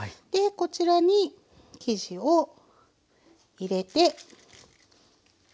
こちらに生地を入れて。